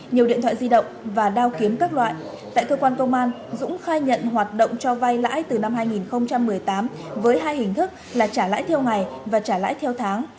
nhiều điện thoại di động và đao kiếm các loại tại cơ quan công an dũng khai nhận hoạt động cho vay lãi từ năm hai nghìn một mươi tám với hai hình thức là trả lãi theo ngày và trả lãi theo tháng